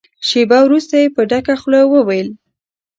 شېبه وروسته يې په ډکه خوله وويل.